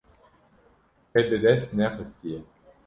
Te bi dest nexistiye.